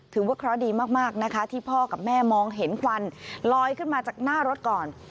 ถือว่าเคราะห์ดีมากนะคะที่พ่อกับแม่มองเห็นควันลอยขึ้นมาจากหน้ารถก่อน